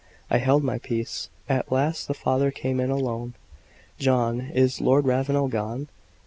I held my peace. At last the father came in alone. "John, is Lord Ravenel gone?"